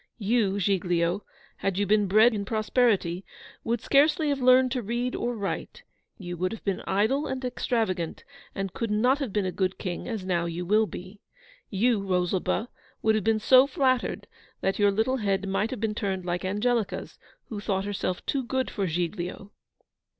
YOU, Giglio, had you been bred in prosperity, would scarcely have learned to read or write you would have been idle and extravagant, and could not have been a good King as now you will be. You, Rosalba, would have been so flattered, that your little head might have been turned like Angelica's, who thought herself too good for Giglio.